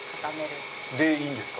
でいいんですか？